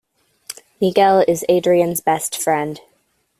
Nigel is Adrian's best friend.